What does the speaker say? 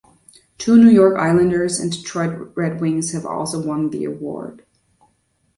Two New York Islanders and Detroit Red Wings have also won the award.